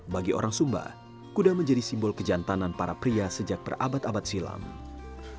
bagi orang sumba kuda menjadi simbol kejantanan para pria sejak berabad abad silam